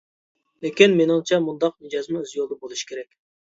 لېكىن، مېنىڭچە مۇنداق مىجەزمۇ ئۆز يولىدا بولۇشى كېرەك.